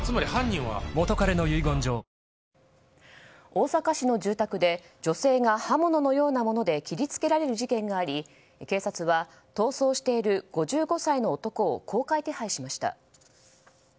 大阪市の住宅で女性が刃物のようなもので切りつけられる事件があり警察は、逃走している５５歳の男を公開手配しました。